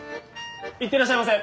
行ってらっしゃいませ！